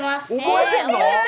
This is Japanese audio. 覚えてんの⁉